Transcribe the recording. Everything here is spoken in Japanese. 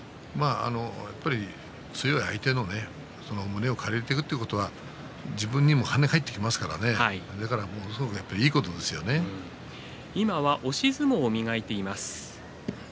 やっぱり強い相手の胸を借りるということは自分にもはね返ってきますから今は押し相撲を磨いています。